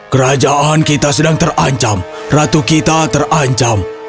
kerajaan kita sedang terancam ratu kita terancam